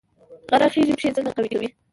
غره خیژي پښې څنګه قوي کوي؟